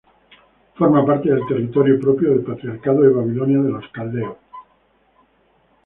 Forma parte del territorio propio del patriarcado de Babilonia de los caldeos.